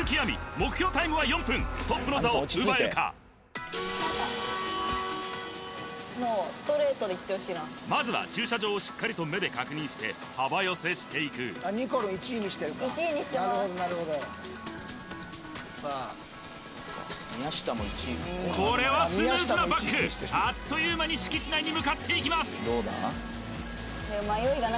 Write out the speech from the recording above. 目標タイムは４分トップの座を奪えるかまずは駐車場をしっかりと目で確認して幅寄せしていくにこるん１位にしてるか１位にしてます宮下も１位これはスムーズなバックあっという間に敷地内に向かっていきます